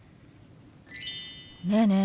ねえねえ